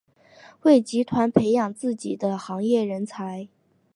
为集团培养自己的行业人才。